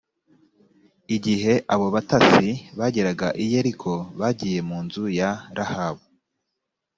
igihe abo batasi bageraga i yeriko bagiye mu nzu ya rahabu